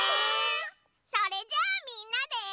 それじゃあみんなで。